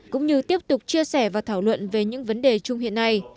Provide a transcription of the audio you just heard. cũng như tiếp tục chia sẻ và thảo luận về những vấn đề chung hiện nay